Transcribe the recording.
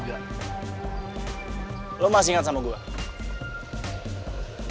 lo sih gak mungkin lupa sama wajah gue yang tampan ini ya